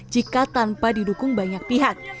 jika tanpa didukung banyak pihak